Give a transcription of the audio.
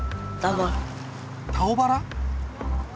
タオバラ？